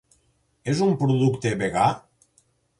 És un producte vegà?